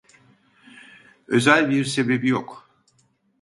Özel bir sebebi yok.